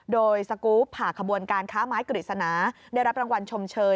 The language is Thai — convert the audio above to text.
โดยสกรูปผ่าขบวนการค้าไม้กฤษณาได้รับรางวัลชมเชย